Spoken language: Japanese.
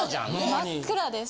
真っ暗です。